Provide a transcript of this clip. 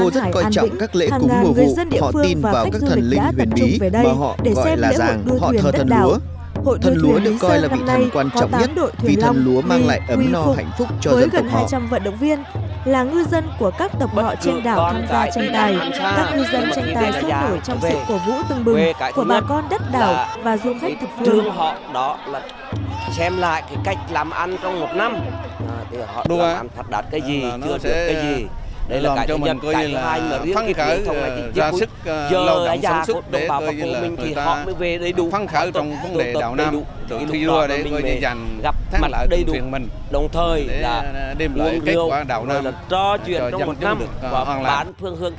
tại trường lúa thuyền an hải an vĩnh hàng ngàn người dân địa phương họ tin vào các thần linh đã tập trung về đây để xem lễ hội đưa thuyền đất đảo